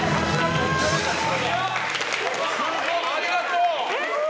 ありがとう！